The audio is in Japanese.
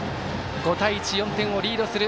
５対１、４点をリードする